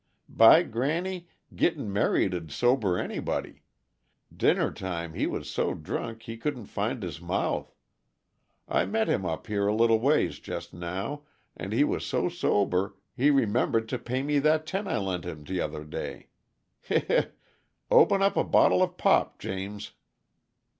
"By granny, gitting married'd sober anybody! Dinner time he was so drunk he couldn't find his mouth. I met him up here a little ways just now, and he was so sober he remembered to pay me that ten I lent him t' other day he he! Open up a bottle of pop, James.